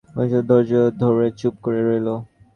মধুসূদন ধৈর্য ধরে চুপ করে রইল।